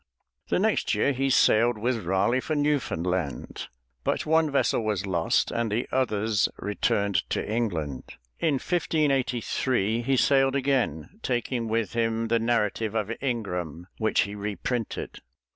The next year he sailed with Raleigh for Newfoundland, but one vessel was lost and the others returned to England. In 1583, he sailed again, taking with him the narrative of Ingram, which he reprinted.